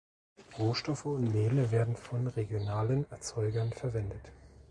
Rohstoffe und Mehle werden von regionalen Erzeugern verwendet.